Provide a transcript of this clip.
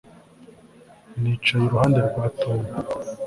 Nicaye iruhande rwa Tom